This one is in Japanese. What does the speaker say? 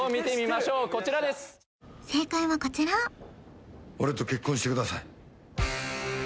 こちらです正解はこちら俺と結婚してください